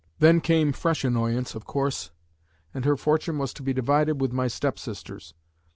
Then came fresh annoyance, of course, and her fortune was to be divided with my step sisters.